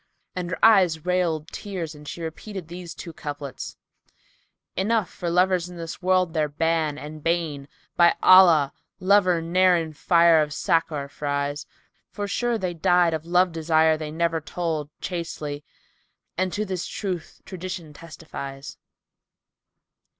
And her eyes railed tears and she repeated these two couplets, "Enough for lovers in this world their ban and bane: * By Allah, lover ne'er in fire of Sakar fries: For, sure, they died of love desire they never told * Chastely, and to this truth tradition testifies."